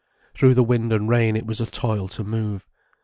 Through the wind and rain it was a toil to move.